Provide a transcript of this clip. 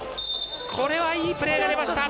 これはいいプレーが出ました。